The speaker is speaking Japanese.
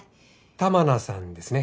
玉名さんですね。